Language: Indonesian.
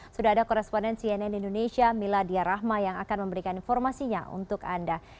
sudah ada koresponen cnn indonesia miladia rahma yang akan memberikan informasinya untuk anda